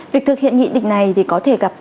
việc thực hiện nghị định này thì có thể gặp